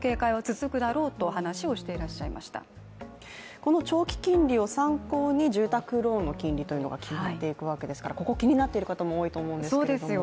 この長期金利を参考に住宅ローンの金利というのが決まっていくわけですから、ここ気になっている方多いと思うんですけれども？